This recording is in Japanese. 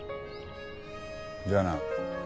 じゃあな。